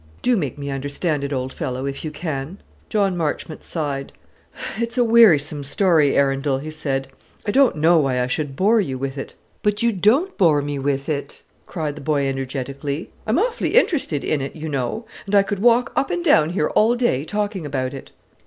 Do make me understand it, old fellow, if you can." John Marchmont sighed. "It's a wearisome story, Arundel," he said. "I don't know why I should bore you with it." "But you don't bore me with it," cried the boy energetically. "I'm awfully interested in it, you know; and I could walk up and down here all day talking about it."